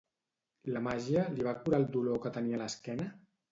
La màgia li va curar el dolor que tenia a l'esquena?